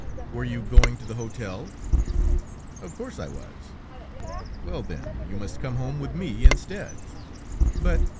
"Were you going to the hotel?" "Of course I was." "Well, then, you must just come home with me, instead!" "But!